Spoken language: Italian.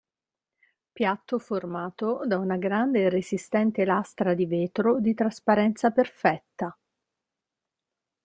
Piatto formato da una grande e resistente lastra di vetro di trasparenza perfetta.